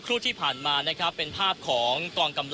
คุณทัศนาควดทองเลยค่ะ